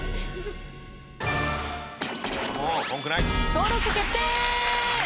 登録決定！